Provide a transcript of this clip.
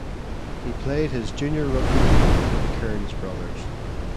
He played his junior rugby league for the Cairns Brothers.